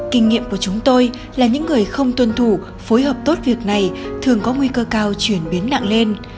kinh nghiệm của chúng tôi là những người không tuân thủ phối hợp tốt việc này thường có nguy cơ cao chuyển biến nặng lên